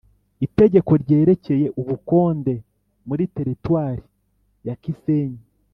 Itegeko ryerekeye ubukonde muri Teritwari ya Kisenyi